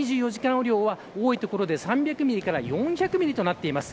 雨量は多い所で３００ミリから４００ミリとなっています。